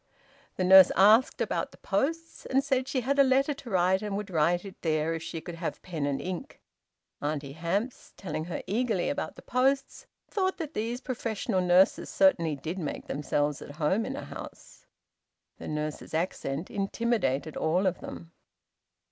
The nurse asked about the posts, and said she had a letter to write and would write it there if she could have pen and ink. Auntie Hamps, telling her eagerly about the posts, thought that these professional nurses certainly did make themselves at home in a house. The nurse's accent intimidated all of them.